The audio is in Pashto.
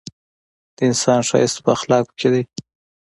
د انسان ښایست په اخلاقو کي دی!